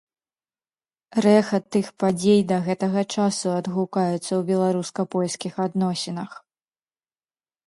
Рэха тых падзей да гэтага часу адгукаецца ў беларуска-польскіх адносінах.